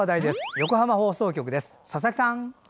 横浜放送局の佐々木さん。